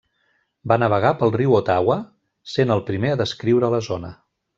Va navegar pel riu Ottawa, sent el primer a descriure la zona.